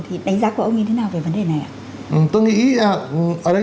thì đánh giá của ông như thế nào về vấn đề này